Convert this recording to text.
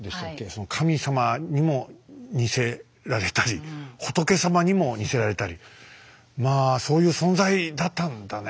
その神様にも似せられたり仏様にも似せられたりまあそういう存在だったんだね。